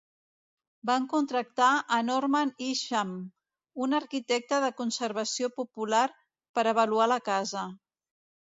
Van contractar a Norman Isham, un arquitecte de conservació popular, per avaluar la casa.